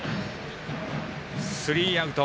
スリーアウト。